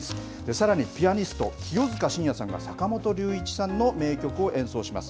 さらにピアニスト、清塚信也さんが、坂本龍一さんの名曲を演奏します。